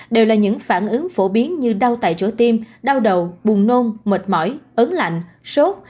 đều là những phản ứng phổ biến như đau tại chỗ tim đau đầu buồn nôn mệt mỏi ấn lạnh sốt